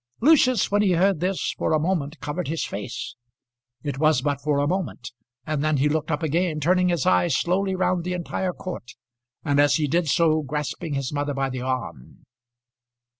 Lucius, when he heard this, for a moment covered his face. It was but for a moment, and then he looked up again, turning his eyes slowly round the entire court, and as he did so grasping his mother by the arm.